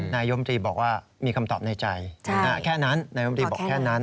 นายมตรีบอกว่ามีคำตอบในใจแค่นั้นนายมตรีบอกแค่นั้น